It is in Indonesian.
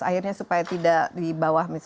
akhirnya supaya tidak dibawah